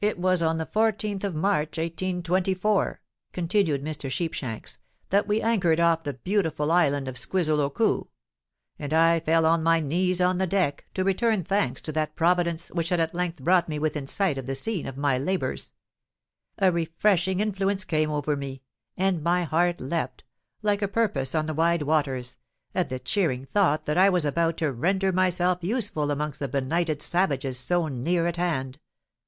"It was on the 14th of March, 1824," continued Mr. Sheepshanks, "that we anchored off the beautiful island of Squizzle o Koo; and I fell on my knees on the deck, to return thanks to that Providence which had at length brought me within sight of the scene of my labours. A refreshing influence came over me; and my heart leapt, like a porpoise on the wide waters, at the cheering thought that I was about to render myself useful amongst the benighted savages so near at hand.